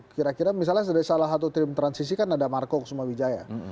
kira kira misalnya dari salah satu tim transisi kan ada marco kusuma wijaya